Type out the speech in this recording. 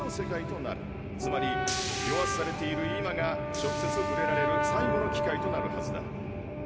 つまり与圧されている今が直接ふれられる最後の機会となるはずだ。